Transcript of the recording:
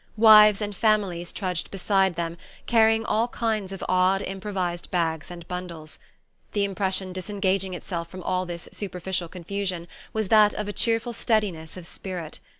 Wives and families trudged beside them, carrying all kinds of odd improvised bags and bundles. The impression disengaging itself from all this superficial confusion was that of a cheerful steadiness of spirit.